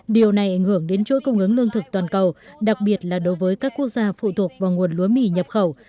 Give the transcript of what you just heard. điều này ảnh hưởng đến chối công ứng lương thực toàn cầu đặc biệt là đối với các quốc gia phụ thuộc vào nguồn lúa mỳ nhập khẩu